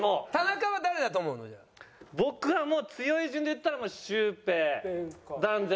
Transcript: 僕はもう強い順でいったらシュウペイ断然ね。